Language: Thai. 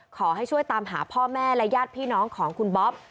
ขอให้ช่วยตามหาพ่อแม่และญาติพี่น้องของคุณบ๊อบ